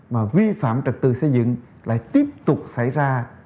mà vi phạm trật tự xây dựng lại tiếp tục xảy ra